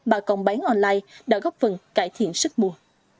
bà còn bán online đã góp phần cải thiện sức mua